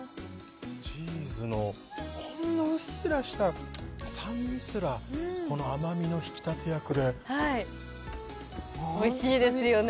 チーズのほんのうっすらした酸味すらこの甘みの引き立て役でホントにおいしいですよね